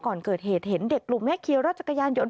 ก่อนเกิดเหตุเห็นเด็กกลุ่มนี้เคียวรถจักรยานยนต